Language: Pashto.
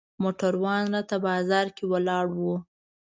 موټروان راته بازار کې ولاړ و.